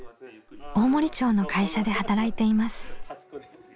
大森町の会社で働いています。